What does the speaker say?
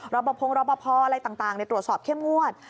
รบพงษ์รบพ่ออะไรต่างในตรวจสอบเข้มงวด